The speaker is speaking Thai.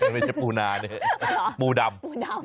ไม่ใช่ปูนาเนี่ยปูดำ